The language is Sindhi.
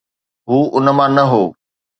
هو انهن مان نه هو.